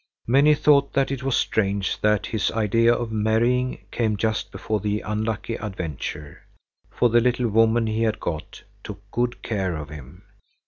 Many thought that it was strange that his idea of marrying came just before the unlucky adventure, for the little woman he had got took good care of him.